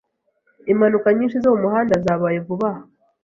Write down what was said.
Impanuka nyinshi zo mumuhanda zabaye vuba aha.